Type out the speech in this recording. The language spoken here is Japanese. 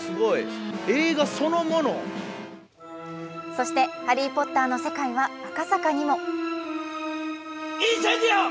そして「ハリー・ポッター」の世界は赤坂にも。